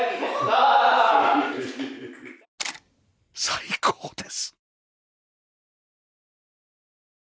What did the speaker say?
最高です